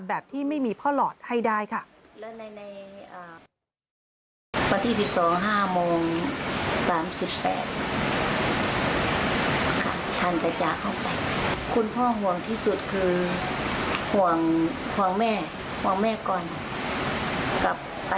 แบบที่ไม่มีพ่อหลอดให้ได้ค่ะ